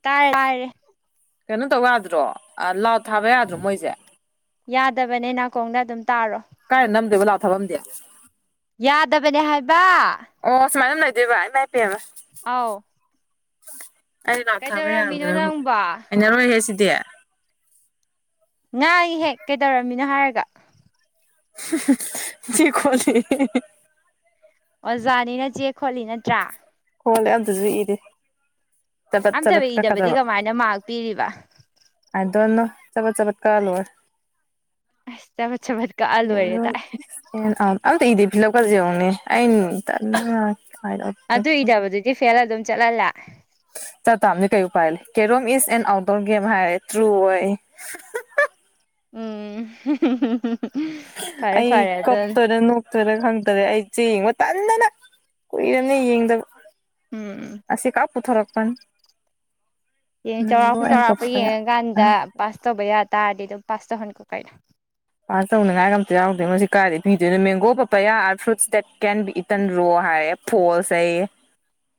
ꯇꯥꯔꯦ ꯇꯥꯔꯦ ꯀꯩꯅꯣ ꯇꯧꯗ꯭ꯔꯣ ꯑ ꯂ ꯊꯥꯕ ꯌꯥꯗ꯭ꯔꯣ ꯃꯣꯏꯁꯦ ꯌꯥꯗꯕꯅꯦ ꯅꯥꯀꯣꯡꯗ ꯑꯗꯨꯝ ꯇꯥꯔꯣ ꯀꯥꯏ ꯅꯝꯗꯦꯕ ꯂꯥꯎꯊꯕꯝꯗꯦ ꯌꯥꯗꯕꯅꯦ ꯍꯥꯏꯕ ꯑꯣ ꯁꯨꯃꯥꯏꯅ ꯑꯗꯨꯝ ꯂꯩꯗꯣꯏꯕ ꯏꯃ ꯏ ꯄꯦꯝꯃ ꯑꯥꯎ ꯑ ꯑꯩ ꯂ ꯊꯕ ꯀꯩꯗꯧꯔꯝꯃꯤꯅꯣ ꯌꯥꯕ꯭ꯔ ꯅꯪꯕꯣ ꯑꯩꯅꯔꯣꯦꯁꯤ ꯗꯦ ꯉꯥꯡꯉꯤꯍꯦ ꯀꯩꯗꯧꯔꯝꯃꯤꯅꯣ ꯍꯥꯏꯔꯒ [unintelligible] ꯑꯣꯖꯥꯅꯤꯅ ꯆꯦ ꯈꯣꯠꯂꯤ ꯅꯠꯇ꯭ꯔꯥ ꯈꯣꯠꯂꯦ ꯑꯝꯇꯖꯨ ꯏꯗꯦ ꯆꯕꯠ ꯆꯕꯠ ꯑꯝꯇꯕꯨ ꯏꯗꯕꯗꯤ ꯀꯛꯀꯗꯕ ꯀꯃꯥꯏꯅ ꯃꯥꯔ꯭ꯛ ꯄꯤꯔꯤꯕ ꯑꯥꯢꯗꯣꯅꯣ ꯆꯕꯠ ꯆꯕꯠ ꯀꯛ ꯑ ꯂꯣꯏꯔꯦ ꯑꯁ ꯆꯕꯠ ꯆꯕꯠ ꯀꯛꯑ ꯂꯣꯏꯔꯦ ꯇꯥꯛꯑꯦ ꯑꯦꯟ ꯑꯥꯔ ꯑꯝꯇ ꯏꯗꯦ ꯂꯧꯀꯖꯤ ꯌꯦꯡꯉꯣꯅꯦ ꯑꯩꯅ ꯇꯟꯕꯝ ꯌꯥꯎꯔꯦ ꯑꯗꯨ ꯏꯗꯕꯗꯨꯗꯤ ꯐꯦꯜ ꯑꯗꯨꯝ ꯆꯠꯂꯂꯥꯛ ꯇꯥꯝꯅꯦ ꯀꯩ ꯎꯄꯥꯏ ꯂꯩ carrom is an outdoor game ꯍꯥꯏꯔꯦ ꯇ꯭ꯔꯨ ꯑꯣꯏꯌꯦꯌꯦ ꯎꯝ ꯐꯔꯦ ꯑꯩ ꯐꯔꯦ ꯑꯗꯨꯅ ꯀꯞꯇꯣꯢꯔ ꯅꯣꯛꯇꯣꯢꯔ ꯈꯪꯇꯔꯦ ꯑꯩ ꯆꯦ ꯌꯦꯡꯕ ꯇꯟꯗꯅ ꯀꯨꯏꯔꯝꯅꯦ ꯌꯦꯡꯗꯕ ꯎꯝ ꯑꯁꯤ ꯈꯛ ꯄꯨꯊꯣꯔꯛ ꯄꯟ ꯌꯦꯡ ꯆꯥꯎꯔꯥꯛꯄ ꯆꯥꯎꯔꯥꯛꯄ ꯌꯦꯡꯉꯀꯥꯟꯗ ꯄꯥꯁ ꯇꯧꯕ ꯌꯥꯠ ꯇꯥꯔꯗꯤ ꯑꯗꯨꯝ ꯄꯥꯁ ꯇꯧꯍꯟꯈꯣ ꯀꯩꯅꯣ ꯄꯥꯁ ꯇꯧꯅꯉꯥꯏꯒ ꯑꯝꯇ ꯌꯥꯎꯗꯦꯉꯣ ꯁꯤ ꯀꯥꯏꯗꯩ ꯄꯤꯗꯣꯏꯅꯣ mango papaya are fruits that can be eaten ꯔꯣ ꯍꯥꯏꯔꯦ ꯐꯣꯜꯁ ꯍꯥꯏꯌꯦ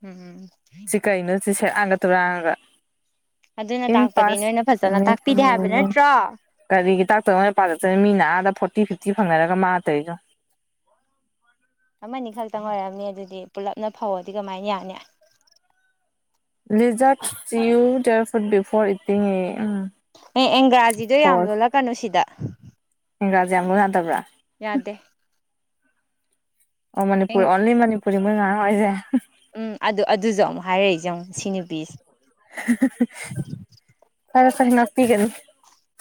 ꯎꯝꯝ ꯁꯤꯀꯩꯅꯣ ꯁꯤ ꯁꯦꯔꯥꯟꯒ ꯇꯨꯔꯥꯟꯒ ꯑꯗꯨꯅ ꯇꯥꯛꯄꯗꯤ ꯅꯣꯏꯅ ꯐꯖꯅ ꯇꯥꯛꯄꯤꯗꯦ ꯍꯥꯏꯕ ꯅꯠꯇ꯭ꯔꯣ [unintelligible] ꯁꯤ ꯐꯪꯅꯔꯒ ꯃꯥ ꯇꯧꯏꯗꯣ ꯌꯣꯡ ꯑꯃꯅꯤ ꯈꯛꯇꯪ ꯑꯣꯏꯔꯝꯅꯤ ꯑꯗꯨꯗꯤ ꯑꯦ ꯄꯨꯜꯂꯞꯅ ꯐꯧꯔꯗꯤ ꯀꯃꯥꯏꯅ ꯌꯥꯅꯤ ꯂꯤꯖꯔꯠ chew dear food before eating ꯉꯦ ꯑꯦ ꯑꯦꯡꯒ꯭ꯔꯥꯖꯤꯗꯣ ꯌꯥꯝ ꯂꯣꯜꯂꯛꯀꯅꯨ ꯁꯤꯗ ꯏꯪꯒ꯭ꯔꯥꯖꯤ ꯌꯥꯝ ꯂꯣꯟ ꯌꯥꯗꯕ꯭ꯔꯥ ꯌꯥꯗꯦ ꯑꯣ ꯃꯅꯤꯄꯨꯔ ꯑꯦꯡ ꯑꯣꯟꯂꯤ ꯃꯅꯤꯞ [unintelligible] ꯎꯝ ꯑꯗꯨ ꯑꯗꯨꯖꯨ ꯑꯃꯨꯛ ꯍꯥꯏꯔꯛꯏꯖꯦ ꯌꯦꯡꯉꯣ ꯁꯤ ꯅꯨꯄꯤꯖꯦ ꯐꯔꯦ ꯐꯔꯦ ꯉꯥꯛꯄꯤꯒꯅꯤ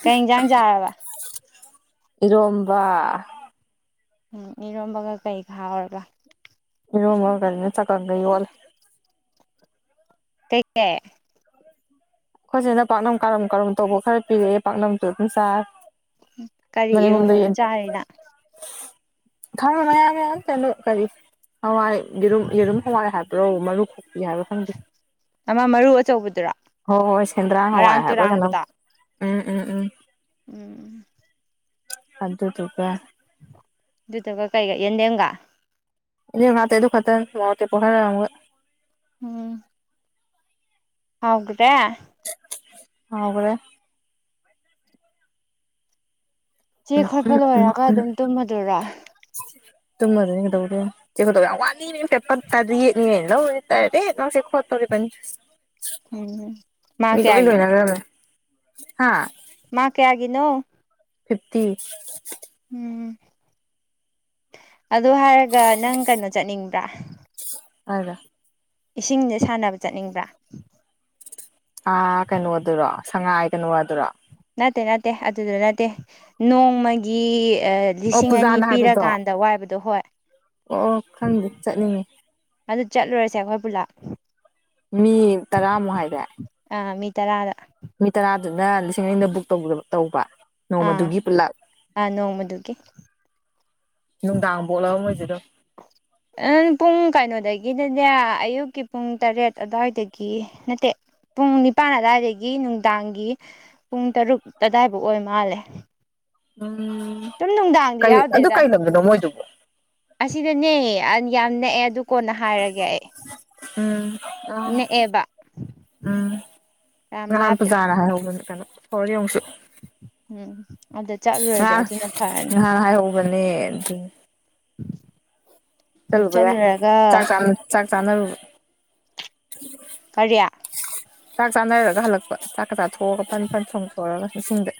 ꯀꯩ ꯏꯟꯖꯥꯡ ꯆꯥꯔꯕ ꯏꯔꯣꯝꯕ ꯎꯝ ꯏꯔꯣꯝꯕꯒ ꯀꯩꯒ ꯍꯥꯎꯔꯤꯕ ꯏ ꯃ ꯀꯅꯦ ꯆꯀꯒ ꯋꯥ [unintelligible] ꯑꯩꯈꯣꯏꯁꯤꯅ ꯄꯥꯛꯅꯝ ꯀꯔꯝ ꯀꯔꯝ ꯇꯧꯕ ꯈꯔ ꯄꯤꯔꯛꯑꯦ ꯄꯥꯛꯅꯝꯁꯨ ꯑꯗꯨꯝ ꯆꯥꯔ ꯀꯔꯤ ꯑꯦꯔꯣꯅꯕꯥꯅꯣ ꯆꯔꯤꯅꯥ꯫ [unintelligible] ꯃꯌꯥꯝ ꯃ ꯀꯔꯤ ꯍꯋꯥꯏ ꯌꯦꯨꯝ ꯌꯦꯔꯨꯝ ꯍꯋꯥꯏ ꯍꯥꯏꯕ꯭ꯔꯣ ꯃꯔꯨ ꯈꯣꯛꯄꯤ ꯍꯥꯏꯕꯣ ꯈꯪꯗꯦ ꯃꯃ ꯃꯔꯨ ꯑꯆꯧꯕꯗꯨꯔ ꯍꯣꯏ ꯍꯣꯏ ꯁꯦꯟꯗ꯭ꯔꯥꯡ ꯍꯋꯥꯏ ꯍꯥꯏꯕ꯭ꯔꯥ ꯀꯩꯅꯣ ꯎꯝ ꯎꯝ ꯎꯝ ꯎꯝ ꯑꯗꯨꯗꯨꯒꯥ꯫ ꯑꯗꯨꯗꯨꯒꯥ ꯀꯦꯏꯒꯥ ꯌꯦꯟꯗꯦꯝ ꯒꯥ꯫ ꯏꯉꯇꯦ ꯑꯗꯨ ꯈꯛꯇꯪ ꯉꯇꯦ ꯄꯣꯈꯔ ꯑꯃꯨꯛ ꯍꯥꯎꯗꯦ ꯍꯥꯈꯔꯦ ꯆꯦ ꯎꯝ ꯈꯣꯠꯄ ꯎꯝ ꯎꯝ ꯂꯣꯏꯔꯒ ꯎꯝ ꯑꯗꯨꯝ ꯇꯨꯝꯃꯗꯨꯔꯥ ꯇꯨꯝꯃ ꯑꯗꯨ ꯀ ꯇ ꯆꯋꯥ ꯋꯥꯦ ꯄ ꯇ ꯌꯦꯅꯤ ꯂꯔꯦ ꯆꯦꯛ ꯈꯣ ꯇꯧꯕꯥ ꯎꯝ ꯃꯥ ꯀꯦ ꯍꯥꯏꯒꯅꯣ ꯍꯥꯥ ꯃꯥ ꯀꯦꯌꯥꯒꯅꯣ ꯐꯤꯞꯇꯤ ꯎꯝ ꯑꯗꯨ ꯍꯥꯏꯔꯒ ꯅꯪ ꯀꯩꯅꯣ ꯆꯠꯅꯤꯡꯕ꯭ꯔꯥ ꯑꯗ ꯑꯦꯁꯤꯡ ꯁꯦ ꯁꯅꯥꯕꯥ ꯆꯤꯠꯅꯤꯡꯕ꯭ꯔꯥ꯫ ꯑ ꯀꯩꯅꯣ ꯑꯗꯨꯔꯣ ꯁꯉꯥꯏ ꯀꯩꯅꯣ ꯑꯗꯨꯔꯣ ꯅꯠꯇꯦ ꯅꯠꯇꯦ ꯑꯗꯨꯗ ꯅꯠꯇꯦ ꯅꯣꯡꯃ ꯑꯣ ꯑꯅꯤ ꯄꯨꯖꯥꯅ ꯍꯥꯏꯕꯗꯣ ꯄꯤꯔꯀꯥꯟꯗꯗꯣ ꯑꯣ ꯈꯪꯗꯦ ꯆꯠꯅꯤꯡꯉꯤ ꯍ ꯆꯠꯂꯨꯔꯁꯦ ꯑꯩꯈꯣꯏ ꯄꯨꯂꯥ ꯃꯤ ꯇꯔꯥꯃꯨ ꯍꯥꯏꯔꯦ ꯑꯥ ꯃꯤ ꯇꯔꯥꯗ ꯃꯤ ꯇꯔꯥꯗꯨꯅꯥ ꯂꯤꯁꯤꯡ ꯑꯅꯤꯗ ꯕꯨꯛ ꯇꯧꯕ ꯇꯧꯕ ꯑꯥ ꯅꯣꯡꯃꯗꯨꯒꯤ ꯄꯨꯂꯞ ꯑ ꯅꯣꯡꯃꯗꯨꯒꯤꯦ ꯅꯅꯨꯡꯗꯥ ꯑ ꯄꯨꯡ ꯀꯥꯏꯅꯣꯗꯥꯏ ꯒꯤꯗꯅꯦ ꯑꯌꯨꯛꯀꯤ ꯄꯨꯡ ꯇꯔꯦꯠ ꯑꯗꯨꯋꯥꯏꯗꯒꯤ ꯅꯠꯇꯦ ꯄꯨꯡ ꯅꯤꯄꯥꯥꯟ ꯑꯗꯨꯋꯥꯏꯗꯒꯤ ꯅꯨꯡꯗꯥꯡꯒꯤ ꯄꯨꯡ ꯇꯔꯨꯛ ꯑꯗꯥꯋꯥꯏꯐꯥꯎ ꯑꯣꯏ ꯃꯥꯜꯂꯦ ꯎꯝ ꯎꯝ ꯁꯨꯝ ꯅꯨꯡꯗꯥꯡꯗꯤ ꯀꯩ ꯑꯗꯨ ꯌꯥꯎꯗꯦꯗ ꯀꯩ ꯂꯝꯗꯅꯣ ꯃꯣꯏꯗꯨꯕꯨ ꯑꯁꯤꯗꯅꯦ ꯌꯥꯝ ꯅꯛꯑꯦ ꯑꯗꯨ ꯀꯣꯟꯅ ꯍꯥꯏꯔꯒꯦ ꯑꯩ ꯎꯝ ꯑ ꯅꯛꯑꯦꯕ ꯎꯝ ꯌꯥꯝ ꯉꯥꯟ ꯂꯥꯞꯇ꯭ꯔꯦ ꯄꯨꯖꯔ ꯍꯥꯏ ꯍꯅꯤ ꯀꯩꯅꯣ ꯍ ꯌꯦꯎꯁꯨ ꯎꯝ ꯑꯗ ꯆꯠꯂꯨꯔꯁꯦ ꯑꯗꯨꯅ ꯐꯔꯅꯤ ꯃ ꯑꯗꯨꯗꯤ ꯑꯗꯨ ꯆꯂꯕꯌꯥ ꯆꯠꯂꯨꯔꯒ ꯆꯀꯝ ꯆ ꯆꯥꯗꯔ ꯀꯌꯥ ꯆꯥꯛ ꯆꯥꯅꯔꯒ ꯍꯜꯂꯛꯄ ꯆꯥꯛꯀ ꯆꯥ ꯊ ꯊꯣꯛꯑꯒ ꯐꯟ ꯐꯟ ꯊꯣꯡ ꯈꯂꯒ ꯏꯁꯤꯡꯗ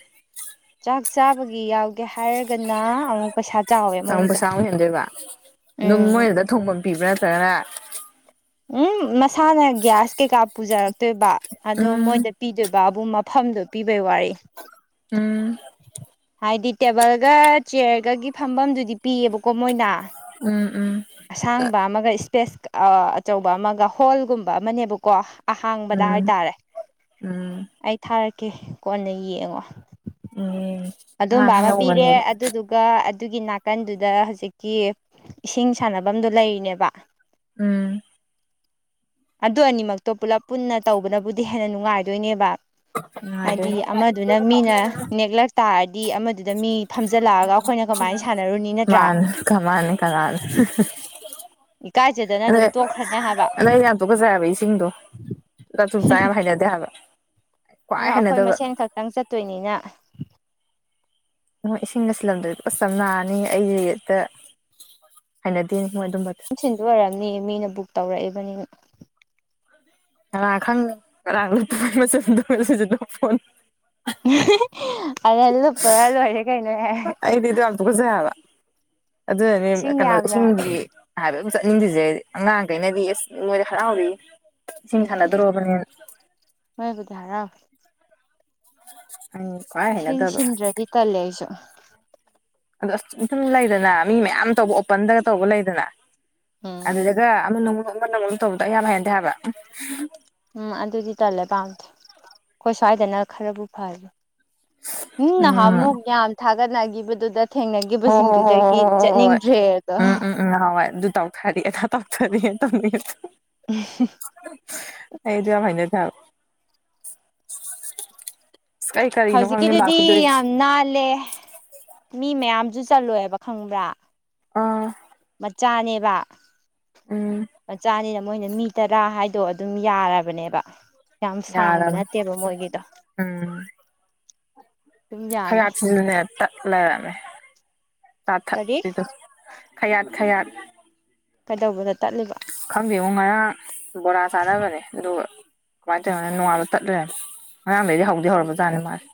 ꯆꯥꯛ ꯆꯥꯕꯒꯤ ꯌꯥꯎꯒꯦ ꯍꯥꯏꯔꯒ ꯌꯥꯝ ꯄꯩꯁꯥ ꯑꯣꯏ ꯍꯦꯟꯗꯣꯏꯕ ꯑꯗꯨꯝ ꯎꯝ ꯃꯣꯏꯗꯨꯗ ꯊꯣꯡꯐꯝ ꯄꯤꯕ꯭ꯔꯥ ꯆꯔꯥ ꯎꯝ ꯏꯁꯥꯅ ꯒ꯭ꯌꯥꯁ ꯀꯩꯀꯥ ꯄꯨꯖꯔꯛꯇꯣꯏꯕ ꯑꯗꯣ ꯎꯝ ꯃꯣꯏꯗ ꯄꯤꯗꯣꯏꯕ ꯕꯥꯕꯨ ꯃꯐꯝꯗꯨ ꯄꯤ ꯋꯥꯔ ꯎꯝ ꯍꯥꯏꯗꯤ ꯇꯦꯕꯜꯒ ꯆꯤꯌꯔꯒꯒꯤ ꯐꯝꯐꯝꯗꯨꯗꯤ ꯄꯤꯌꯦꯕꯀꯣ ꯃꯣꯏꯅ ꯎꯝ ꯎꯝ ꯏꯁꯦꯁ ꯑꯆꯧꯕ ꯑꯃꯒ ꯍꯣꯜꯒꯨꯝꯕ ꯑꯃꯅꯦꯕꯀꯣ ꯑꯍꯥꯡꯕꯗ ꯎꯝ ꯍꯥꯏꯇꯥꯔꯦ ꯎꯝ ꯑꯩ ꯊꯥꯔꯛꯀꯦ ꯀꯦ ꯀꯣꯟꯅ ꯌꯦꯡꯉꯣ ꯑ ꯑꯗꯨꯝꯕ ꯑꯃ ꯄꯤꯔꯦ ꯑꯗꯨꯗꯨꯒ ꯑꯗꯨꯒꯤ ꯅꯥꯀꯟꯗꯨꯗ ꯍꯧꯖꯤꯛꯀꯤ ꯏꯁꯤꯡ ꯁꯥꯟꯅꯐꯝꯗꯨꯣ ꯂꯩꯔꯤꯅꯦꯕ ꯎꯝ ꯑꯗꯨ ꯑꯅꯤꯃꯛꯇꯣ ꯄꯨꯂꯞ ꯄꯨꯟꯅ ꯇꯧꯕꯅꯕꯨꯗꯤ ꯍꯦꯟꯅ ꯅꯨꯡꯉꯥꯏꯗꯣꯏꯅꯦꯕ ꯍꯥꯏꯗꯤ ꯅꯨꯡꯉꯥꯏꯗꯣꯏꯅꯤ ꯑꯃꯗꯨꯅ ꯃꯤꯅ ꯅꯦꯛꯂꯛ ꯑꯃꯗꯤ ꯁꯥꯟꯅꯔꯨꯅꯤ ꯅꯠꯇ꯭ꯔꯥ ꯃꯥꯅ ꯀꯃꯅꯦ ꯀ ꯂꯥꯅ ꯏꯀꯥꯏꯖꯗꯅ ꯑꯗꯩ ꯑꯗꯨꯝ ꯇꯣꯛꯈ꯭ꯔꯅꯤ ꯍꯥꯏꯕ ꯑꯗꯩ ꯌꯥꯝ ꯇꯣꯛꯀꯠ ꯆ ꯍꯥꯏꯕ ꯏꯁꯤꯡꯗꯣ ꯂ ꯆꯨꯝꯆꯥꯥ ꯌꯥꯝ ꯍꯩꯅꯗꯦ ꯍꯥꯏꯕ ꯈ꯭ꯋꯥꯏ ꯑꯗꯨ ꯑꯩꯈꯣꯏ ꯍꯩꯅꯗꯕ ꯃꯁꯦꯟ ꯈꯛꯇꯪ ꯆꯠꯇꯣꯏꯅꯤꯅ ꯅ ꯏꯁꯤꯡ ꯂꯩꯁꯤꯜꯂꯝꯗꯗꯤ ꯄꯨꯞ ꯆꯞ ꯅꯥꯔꯅꯤ ꯑꯩꯁꯛꯇ ꯍꯥꯏꯅꯗꯦꯅꯤ ꯁꯤꯟꯗ ꯑꯣꯏꯔꯝꯅꯤ ꯃꯤꯅ ꯕꯨꯛ ꯇꯧꯔꯛꯑꯦꯕ ꯃꯅꯤ ꯈꯪ ꯃꯁ ꯃ ꯐꯣꯟ ꯑꯅ ꯄꯨꯔ ꯂ ꯑꯣꯏꯏꯔꯦ ꯀꯩꯅꯅꯦ ꯑꯗꯨꯗꯅꯤ ꯀꯩꯅꯣ ꯁꯤꯗꯤ ꯍꯥꯏꯕꯃ ꯆꯠꯅꯤꯡꯗ꯭ꯔꯤꯁꯦ ꯑꯉꯥꯡꯒꯩꯅꯗꯤ ꯑꯦꯁ ꯃꯣꯏꯗꯤ ꯍꯔꯥꯎꯔꯤ ꯏꯁꯤꯡ ꯎꯝ ꯎꯝ ꯁꯥꯟꯅꯗꯣꯔꯕꯅꯦꯅ ꯃꯣꯏꯕꯨꯗꯤ ꯍꯔꯥꯎꯏ [unintelligible] ꯈ꯭ꯋꯥꯏ ꯢꯁꯤꯡ ꯍꯩꯅꯗꯕ ꯁꯤꯟꯗ꯭ꯔꯗꯤ ꯇꯜꯂꯦ ꯑꯩꯁꯨ ꯑꯗꯣ ꯑꯁ ꯑꯗꯨꯨꯝ ꯂꯩꯗꯅ ꯃꯤ ꯃꯌꯥꯝ ꯇꯧꯕ ꯑꯣꯄꯟꯗꯒ ꯇꯧꯕ ꯂꯩꯗꯅ ꯎꯝ ꯑꯗꯨꯗꯗꯒ ꯑꯃ ꯅꯣꯡ ꯃꯅꯝ ꯇꯧꯕꯗꯣ ꯑꯩ ꯌꯥꯝ ꯍꯩꯅꯗꯦ ꯍꯥꯏꯕ ꯎꯝ ꯑꯗꯨꯗꯤ ꯇꯜꯂꯦ ꯄꯥꯝꯗꯦ ꯑꯈꯣꯏ ꯁ꯭ꯋꯥꯏꯗꯅ ꯈꯔꯕꯨ ꯐꯔꯦ ꯅꯨꯡ ꯎꯝ ꯅꯍꯥꯟꯃꯨꯛ ꯌꯥꯝ ꯊꯥꯛ ꯒ ꯂꯥꯛꯒꯤꯕꯗꯨꯗ ꯍꯣ ꯍꯣ ꯍꯣ ꯍꯣ ꯍꯣ ꯍ ꯍꯣꯏ ꯑꯗꯣ ꯎꯝ ꯎꯝ ꯎꯝ ꯍꯥꯎ ꯍꯣꯏ ꯑꯗꯨ ꯇꯧ ꯐꯔꯦꯅ ꯇꯥꯎꯊꯔꯛꯑꯦꯅ ꯇꯧꯈꯤꯕꯗꯣ ꯑꯩꯗꯣ ꯌꯥꯝ ꯍꯩꯅꯗꯦ ꯍꯥꯢꯕ ꯑꯁ ꯑꯩ ꯀꯔꯤꯅꯣ ꯈꯪꯗꯦ ꯃꯥꯛ ꯍꯧꯖꯤꯛꯀꯤꯗꯨꯗꯤ ꯄꯤꯗꯣꯏꯁꯦ ꯌꯥꯝ ꯅꯥꯜꯂꯦ ꯃꯤ ꯃꯌꯥꯝꯁꯨ ꯆꯠꯂꯣꯏꯕ ꯈꯪꯕ꯭ꯔꯥ ꯑꯥ ꯃꯆꯥꯅꯦꯕ ꯎꯝ ꯃꯆꯥꯅꯤꯅ ꯃꯣꯏꯅ ꯃꯤ ꯇꯔꯥ ꯍꯥꯏꯗꯣ ꯑꯗꯨꯝ ꯌꯥꯔꯕꯅꯦꯕ ꯌꯥꯝ ꯁꯥꯡꯕ ꯌꯥꯔꯝ ꯅꯠꯇꯦꯕ ꯃꯣꯏꯒꯤꯗꯣ ꯎꯝ ꯑꯗꯨꯝ ꯌꯥꯅꯤ ꯈꯌꯥꯠꯁꯤꯗꯅꯦ ꯄꯠ ꯅꯔꯑꯃꯦ ꯀꯔꯤ ꯆꯥꯊꯠꯂꯤꯗꯣ ꯈꯌꯥꯠ ꯈꯌꯥꯠ ꯀꯩꯗꯧꯕꯗ ꯇꯠꯂꯤꯕ ꯈꯪꯗꯦꯉꯣ ꯉꯔꯥꯡ ꯕꯣꯔꯥ ꯆꯥꯟꯅꯕꯅꯦ ꯑꯗꯨꯒ ꯀꯃꯥꯏꯅ ꯇꯧꯔꯤꯅꯣ ꯅꯣꯡꯉꯥꯜꯂꯒ ꯇꯠ ꯂꯩꯔꯝꯃꯦ ꯉꯔꯥꯡꯗꯩꯗꯤ ꯍꯧꯗꯤ ꯍꯧꯔꯕꯖꯥꯠꯅꯤ ꯃꯥꯁꯦ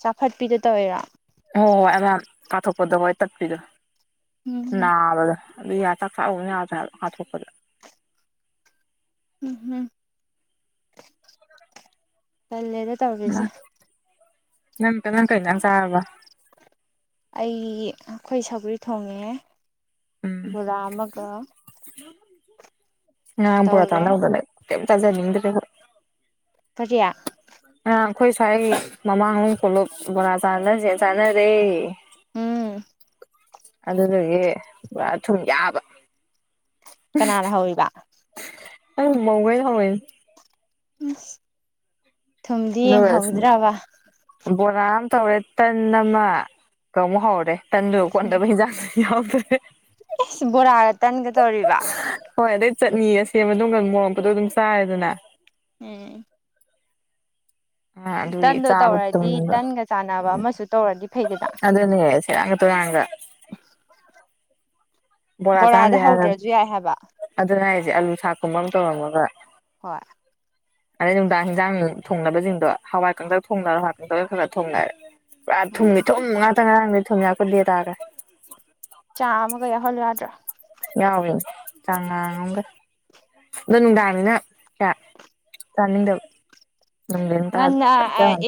ꯆꯥꯊꯠꯄꯤꯗꯣ ꯇꯧꯋꯤꯔꯣ ꯍꯣꯏ ꯍꯣꯏ ꯑꯃ ꯀꯥꯊꯣꯛꯄꯗ ꯍꯣꯢ ꯇꯠꯄꯤꯗꯣ ꯎꯝ ꯅꯥꯕꯗꯣ ꯑꯗꯨ ꯌꯥ ꯆꯥꯛ ꯆꯥꯕꯒ ꯑꯃꯇ ꯌꯥꯗ꯭ꯔꯦ ꯍꯥꯢꯕ ꯀꯥꯊꯣꯛꯄꯗ ꯎꯝ ꯎꯝ ꯇꯜꯂꯦꯗ ꯇꯧꯔꯤꯁꯦ ꯅꯪꯀ ꯅꯪ ꯀꯩꯩꯅꯪ ꯆꯕ ꯑꯩ ꯑꯩꯈꯣꯏ ꯁꯒꯔꯤ ꯊꯣꯡꯉꯦ ꯎꯝ ꯕꯂꯥ ꯑꯃꯒ ꯑ ꯄꯨꯔ ꯇꯧꯔꯦ ꯆꯥꯟꯅꯗꯅꯦ ꯀ ꯇꯖꯦ ꯐꯖꯌꯥ ꯑ ꯑꯩꯈꯣꯏ ꯁ꯭ꯋꯥꯏ ꯃꯃꯥꯡꯍ ꯄꯨꯣꯂꯞ ꯕꯣꯔꯥ ꯆꯥꯅꯁꯦ ꯆꯥꯅꯔꯦ ꯎꯝ ꯑꯗꯨꯗꯒꯤ ꯊꯨꯝ ꯌꯥꯕ ꯀꯅꯥꯅ ꯍꯧꯕ ꯑ ꯃꯒꯣꯏ ꯍꯣꯏ ꯎꯝ ꯊꯨꯝꯗꯤ ꯑꯗꯨꯒ ꯌꯦꯡꯍꯧꯗ꯭ꯔꯕ ꯕꯣꯔꯥ ꯑꯃ ꯇꯧꯔꯦ ꯇꯟ ꯑꯃ ꯀ ꯍꯧꯔꯦ ꯇꯗ ꯀꯣꯟꯗꯕꯍꯤꯖꯥ ꯌꯥꯎꯗ꯭ꯔꯦ ꯣꯔ ꯍꯥꯏꯒ ꯇꯥꯟꯒ ꯇꯧꯔꯤꯔꯤꯕ ꯍꯣꯏ ꯑꯗꯩ ꯆꯠꯅꯤ ꯑꯁꯦꯝꯕ ꯑꯗꯨꯝꯒ ꯃꯣꯛꯄꯗꯣ ꯑꯗꯨꯝ ꯆꯥꯏꯔꯦꯗꯅ ꯎꯝ ꯑ ꯑꯗꯨꯒꯤ ꯇꯟꯗꯣ ꯆꯥꯕ ꯇꯧꯔꯗꯤ ꯊꯨꯝꯕ ꯇꯟꯒ ꯎ ꯆꯥꯟꯅꯕ ꯑꯃꯁꯨ ꯇꯧꯔꯗꯤ ꯐꯩꯗꯅ ꯑꯗꯨꯅꯦ ꯁꯦꯔꯥꯡꯒ ꯇꯣꯏꯨꯔꯥꯡꯒ ꯕꯣꯔꯥꯗ ꯍꯧꯗ꯭ꯔꯁꯨ ꯌꯥꯏ ꯍꯥꯏꯕ ꯁꯤ ꯑꯥꯂꯨ ꯁꯥꯛꯀꯨꯝꯕ ꯑꯃ ꯇꯧꯔꯝꯃꯒ ꯍꯠ ꯑꯗꯩ ꯅꯨꯡꯗꯥꯡ ꯍꯤꯟꯖꯥꯡ ꯅꯨꯡ ꯊꯣꯡꯅꯕꯁꯤꯡꯗꯣ ꯍꯋꯥꯏ ꯀꯪꯇ ꯐꯨꯡ ꯍꯥ ꯈꯔ ꯊꯨꯡꯅꯔ ꯄꯨꯔꯥ ꯊꯨꯝꯉ ꯎꯝ ꯊꯨꯝ ꯉꯥꯛꯇꯪ ꯉꯥꯡꯅꯤ ꯊꯨꯝꯌꯥꯛꯄꯨꯗꯦ ꯇꯥꯒꯦ ꯆꯥꯃꯒ ꯌꯥꯎꯍꯜꯂ ꯌꯥꯗ꯭ꯔꯥ ꯌꯥꯎꯋꯦ ꯆꯥꯡꯉꯝꯒ ꯎꯝ ꯑꯗꯨꯅꯨꯡꯗꯥꯅꯤꯅ ꯑ ꯀꯃꯤꯗ ꯅꯥꯟ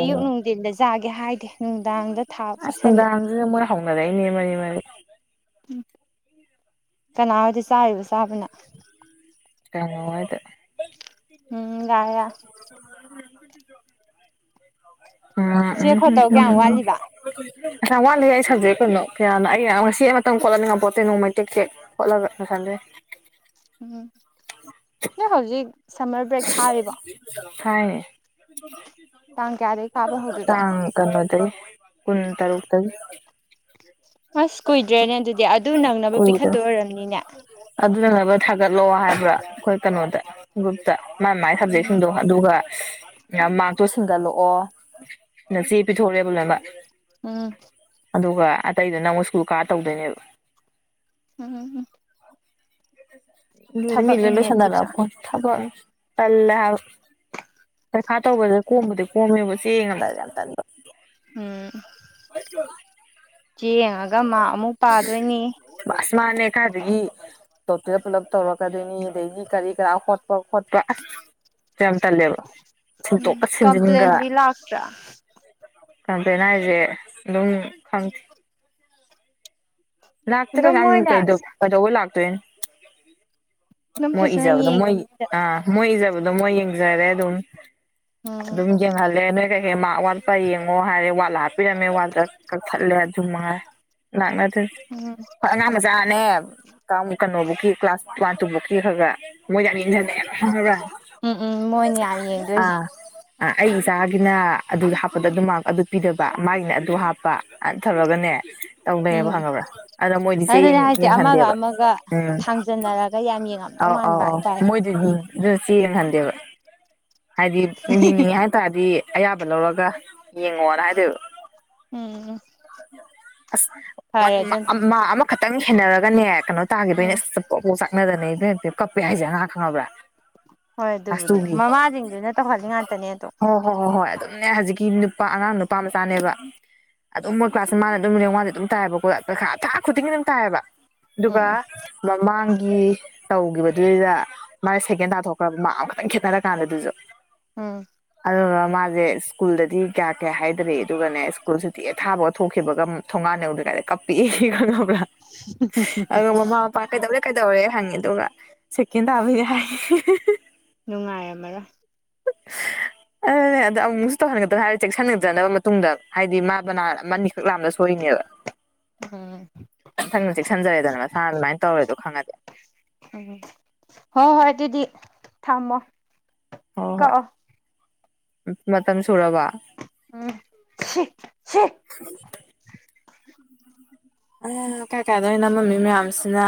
ꯌꯨꯅꯨꯡ ꯏꯜꯂꯦꯖꯦ ꯀ ꯍꯥꯏꯗꯦ ꯅꯨꯡꯗꯥꯡꯗ ꯊꯥ ꯆꯥꯁꯤꯜꯂꯛꯦ ꯊꯥꯎꯅꯗꯅꯦ ꯃꯅꯤ ꯃꯅꯤ ꯎ ꯀꯅꯥ ꯑꯣꯏꯔꯗꯤ ꯆꯥꯔꯤꯕ ꯆꯥꯕꯅ ꯀꯃ ꯍꯗ ꯎꯝ ꯂꯌꯥ [unintelligible] ꯎꯝ ꯆꯦ ꯈꯣꯠꯇꯧ ꯀꯌꯥꯝ ꯋꯥꯠꯂꯤꯕ ꯌꯥꯝ ꯋꯥꯠꯂꯤꯌꯦ ꯑꯩ ꯁꯨꯕꯖꯦꯛ ꯀꯌꯥꯅꯣ ꯀꯌꯥꯅ ꯑꯩ ꯉꯁꯤ ꯑꯃꯇꯪ ꯈꯣꯠꯂꯅꯤꯡꯉꯥꯏ ꯄꯣꯠꯇꯩ ꯅꯣꯡ ꯃꯩ ꯇꯦꯛ ꯇꯦꯛ ꯈꯣꯠꯂꯒ ꯂꯣꯏꯁꯟ ꯗꯣꯏꯅꯤ ꯎꯝ ꯅ ꯍꯧꯖꯤ ꯁꯝꯃꯔ ꯕ꯭ꯔꯦꯛ ꯊꯥꯔꯤꯕ ꯊꯥꯌꯦ ꯀꯌꯥꯗꯩ ꯀꯥꯕ ꯍꯧꯗꯣꯏꯕ ꯇꯥꯡ ꯀꯩꯅꯣꯗꯒꯤ ꯀꯨꯟ ꯇꯔꯨꯛ ꯇꯒꯤ ꯑꯁ ꯀꯨꯏꯗ꯭ꯔꯦꯅꯦ ꯑꯗꯨꯗꯤ ꯑꯗꯨ ꯅꯪꯅꯕ ꯄꯤꯈꯠ ꯀꯨꯏꯗ꯭ꯔꯦ ꯇꯣꯏ ꯑꯣꯏꯔꯝꯅꯤꯅꯦ ꯑꯗꯨꯅꯅꯕ ꯊꯥꯒꯠꯂꯣ ꯍꯥꯏꯕ꯭ꯔꯥ ꯑꯩꯈꯣꯏ ꯀꯩꯅꯣꯗ ꯒꯨꯨꯞꯇ ꯃꯥꯥꯏ ꯃꯥꯏ ꯎꯝ ꯁꯕꯖꯦꯛꯁꯤꯡꯗꯣ ꯑꯗꯨꯒ ꯃꯥꯛꯇꯣ ꯁꯟꯒꯠꯂꯛꯑꯣ ꯅꯆꯦ ꯄꯤꯊꯣꯔꯣꯔꯦꯕ ꯂꯣꯏꯅ ꯑꯝ ꯑꯗꯨꯒ ꯑꯇꯩꯗꯨꯣ ꯅꯪ ꯀꯨꯀꯥ ꯇꯧꯗꯣꯏꯅꯦꯕ ꯎꯝ ꯃꯤꯂ ꯂꯣ ꯊꯕꯛꯅꯤꯅꯦ ꯑꯗꯨꯁꯨ ꯁꯥꯟꯗꯅꯄꯣ ꯊꯕꯅ ꯇꯜꯂꯦ ꯍꯥꯏ ꯄꯩꯈꯥ ꯇꯧꯕꯗ ꯀꯣꯝꯕꯗꯤ ꯀꯣꯝꯃꯦꯕꯨ ꯆꯦ ꯌꯦꯡꯉꯝ ꯗꯥꯏꯗ ꯌꯥꯝꯅ ꯇꯜꯕ ꯎꯝ ꯆꯦ ꯌꯦꯡꯉꯒ ꯃꯥ ꯑꯃꯨꯛ ꯄꯥꯗꯣꯏꯅꯤ ꯑꯁ ꯃꯥꯅꯦ ꯀꯥꯏꯗꯒꯤ ꯗꯣꯛꯇꯗ ꯄꯨꯂꯞ ꯇꯧꯔꯛꯀꯗꯣꯏꯅꯤ ꯑꯗꯩꯗꯤ ꯀꯔꯤ ꯀꯔꯥ ꯍꯣꯠꯄ ꯈꯣꯠꯄ ꯁꯤ ꯌꯥꯝ ꯇꯜꯂꯦꯕ ꯎꯝ ꯁꯤꯟꯇꯣꯛꯀ ꯁꯤꯟꯖꯤꯟꯒ ꯀꯝꯄ꯭ꯂꯦꯟꯗꯤ ꯂꯇ꯭ꯔꯥ [inaudible] [unintelligible] ꯀꯝꯄ꯭ꯂꯦꯟ ꯍꯥꯏꯁꯦ ꯑꯗꯨꯝ ꯈꯪ ꯂꯥꯛꯇꯦ ꯀ ꯑꯗꯨꯝ ꯁꯝ ꯃꯣꯏꯅ ꯑꯗꯨꯝ ꯀꯩꯗꯗꯧꯕ ꯂꯥꯛ ꯇ [unintelligible] ꯃꯣꯏ ꯐꯖꯅ ꯏꯖꯥꯕꯗꯨ ꯃꯣꯏ ꯌꯦꯡꯉꯤꯅꯤꯗ ꯑ ꯃꯣꯏ ꯏꯖꯥꯕꯗꯨ ꯗ ꯃꯣꯌ ꯌꯦꯡꯖꯔꯦ ꯑꯗꯨ ꯎꯝ ꯑꯗꯨꯝ ꯌꯦꯪꯍꯥꯂꯦ ꯃꯥ ꯋꯥꯠꯄ ꯌꯦꯡꯉꯣ ꯍꯥꯏꯔꯦ ꯋꯥꯠꯂ ꯍꯥꯞꯄꯤꯔꯝꯃꯦ ꯋꯥꯠꯇ ꯀꯛꯊꯠꯂꯦ ꯑꯗꯨ ꯃꯉꯥꯏ ꯂꯛꯅꯗꯦ ꯎꯝ ꯍꯣꯌ ꯑꯉꯥꯡ ꯃꯆꯟ ꯅꯤ ꯛ ꯀꯩꯅꯣꯕꯨꯧꯛꯀꯤ ꯀ꯭ꯂꯥꯁ ꯋꯥꯟ ꯇꯨꯕꯨꯛꯀꯤ ꯈꯔ ꯈ [unintelligible] ꯃꯣꯏꯖꯅꯤꯡꯁꯅꯦꯦ ꯎꯝ ꯎꯝ ꯃꯣꯏꯅ ꯌꯥꯝ ꯌꯦꯡꯗꯣꯏꯁꯦ ꯑꯥ [unintelligible] [inaudible] ꯑꯩ ꯏꯆꯥꯒꯤꯅ ꯑꯗꯨ ꯍꯥꯞꯄꯗ ꯑꯗꯨ ꯃꯥ ꯑꯗꯨ ꯄꯤꯗꯕ ꯃꯥꯒꯤꯅ ꯑꯗꯨ ꯍꯥꯞꯄ ꯊꯧꯔꯒꯅꯦ ꯇꯧꯅꯩꯌꯦꯕ ꯎꯝ ꯈꯪꯉꯕ꯭ꯔꯥ ꯑꯗꯨꯅꯦ ꯍꯥꯏꯗꯤ ꯑꯃꯒ ꯌꯦꯡꯍꯟꯗꯦꯕ ꯑꯃꯒ ꯎꯝ ꯊꯥꯡꯖꯟꯅꯔꯒ ꯌꯥꯝ ꯌꯦꯡꯉꯝ ꯇꯧ ꯃꯥꯟꯕ ꯍꯥꯏꯇꯥꯔꯦ ꯑꯗꯨ ꯆꯦ ꯌꯦꯡꯍꯟꯗꯦꯕ ꯍꯥꯏꯗꯤ ꯌꯦꯡꯅꯤꯡꯉꯦ ꯍꯥꯏꯇꯥꯥꯔꯗꯤ ꯑꯌꯥꯕ ꯂꯧꯔꯒ ꯌꯦꯡꯉꯣꯅ ꯍꯥꯏꯗꯣꯏꯕ ꯎꯝ ꯐꯥꯏ ꯑꯗꯨꯅ ꯃꯥꯛ ꯑꯃꯈꯠ ꯇꯪ ꯍꯦꯟꯅꯔꯒꯅꯦ ꯀꯅꯣ ꯇꯥꯒꯤꯕꯩꯅꯦ ꯎꯝ ꯑꯁ ꯄꯣꯛ ꯄꯣꯛ ꯆꯥꯛꯅꯗꯅ ꯄꯦꯝ ꯀꯞꯄꯦ ꯍꯥꯏꯁꯦ ꯉꯉꯥꯡ ꯈꯪꯉꯕ꯭ꯔꯥ ꯍꯣꯏ ꯀ꯭ꯂꯥꯁ ꯑꯗꯨꯕꯨꯗꯤ ꯇꯨꯒꯤ ꯃꯃꯥꯁꯤꯡꯗꯨꯅ ꯇꯧꯍꯜꯂꯤ ꯉꯥꯛꯇꯅꯦ ꯑꯗꯣ ꯅꯦ ꯍꯧꯖꯤꯛꯀꯤ ꯅꯨꯄꯥ ꯑꯉꯥꯡ ꯅꯨꯄꯥ ꯃꯆꯥꯅꯦꯕ ꯑꯗꯨꯝ ꯃꯣꯏ ꯀꯂ꯭ꯥꯁ ꯃꯥꯅ ꯗꯨꯝ ꯔꯦꯡ ꯋꯥꯟ ꯗꯤ ꯑꯗꯨꯝ ꯇꯥꯏꯌꯦꯕꯀꯣ ꯄꯩꯈꯥ ꯊꯥ ꯈꯨꯗꯤꯡꯒꯤ ꯑꯗꯨꯝ ꯇꯥꯏꯌꯦꯕ ꯑꯗꯨꯒ ꯎꯝ ꯎꯝ ꯃꯃꯥꯡ ꯒꯤ ꯇꯧꯒꯤꯕꯗꯨꯏꯗ ꯃꯥꯒꯤ ꯁꯦꯀꯦꯟ ꯇꯥꯊꯣꯛꯈ꯭ꯔꯕ ꯃꯥꯛ ꯑꯝꯈꯛꯇꯪ ꯈꯦꯠꯅꯔ ꯀꯥꯟꯗ ꯑꯗꯨꯁꯨ ꯎꯝ ꯑꯒ ꯃꯥꯁꯦ ꯁ꯭ꯀꯨꯜꯗꯗꯤ ꯀꯌꯥ ꯀꯌꯥ ꯍꯥꯏꯗꯔꯦ ꯑꯗꯨꯒꯅꯦ ꯁ꯭ꯀꯨꯜ ꯁꯇꯤ ꯑꯦꯛ ꯊꯥꯕꯒ ꯊꯣꯛꯈꯤꯕꯒ ꯊꯣꯡꯉꯥꯟ ꯌꯧꯗ꯭ꯔꯤ ꯉꯏꯗ ꯀꯞ [unintelligible] ꯕꯔ ꯑꯗꯨ ꯃꯃꯥ ꯄꯥ ꯀꯩ ꯗꯧꯔꯦ ꯀꯩꯗꯧꯔꯦ ꯍꯪꯉꯦ ꯑꯗꯨꯒ ꯁꯦꯀꯦꯟ ꯇꯥꯕꯒꯤ ꯍꯥꯏ ꯅꯨꯡꯉꯥꯏꯔꯝꯃꯔꯣꯏ ꯑ ꯑꯗꯅꯦ ꯑꯃꯨ ꯃꯨꯛꯁꯨ ꯇꯧꯍꯟꯒꯗꯅꯦ ꯍꯥꯏꯔ ꯆꯦꯛꯁꯤꯟꯒꯗꯅꯕ ꯃꯇꯨꯡꯗ ꯍꯥꯏꯗꯤ ꯃꯥ ꯕꯅꯥꯟ ꯑꯃ ꯅꯤ ꯈꯛ ꯂꯥꯟꯕꯗ ꯁꯣꯏꯔꯤꯅꯦꯕ ꯎꯝ ꯃꯊꯪꯅ ꯆꯦꯛꯁꯟꯖꯔꯦꯗꯅ ꯃꯁꯥꯅ ꯑꯗꯨꯃꯥꯏ ꯇꯧꯔꯦꯗꯣ ꯈꯪꯉꯗꯤ ꯎꯝ ꯍꯣꯏ ꯍꯣꯏ ꯑꯗꯨꯗꯤ ꯊꯝꯃꯣ ꯍꯣ ꯍꯣꯏ ꯀꯛꯑꯣ ꯃꯇꯝ ꯁꯨ ꯎꯝ ꯁꯤ ꯁꯤ ꯑ ꯀꯥꯏ ꯀꯥꯏꯗꯅꯣ ꯅꯝꯃꯝꯃꯤ ꯃꯌꯥꯝꯁꯤꯅ